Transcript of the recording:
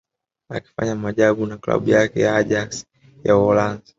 akifanya maajabu na klabu yake ya Ajax ya Uholanzi